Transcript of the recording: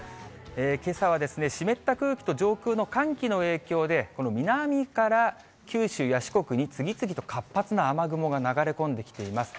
けさは湿った空気と上空の寒気の影響で、この南から九州や四国に次々と活発な雨雲が流れ込んできています。